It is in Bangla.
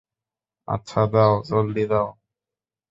আচ্ছা দাও, জলদি যাও।